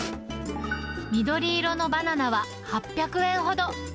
緑色のバナナは、８００円ほど。